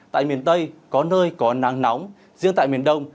tại miền tây có nơi có nắng nóng